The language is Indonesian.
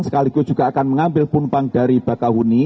sekaligus juga akan mengambil punpang dari bakahuni